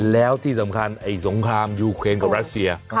แล้วที่สำคัญไอ้สงครามยูเครนกับรัสเซีย